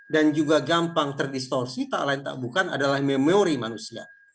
dan juga gampang terdistorsi tak lain tak bukan adalah memori manusia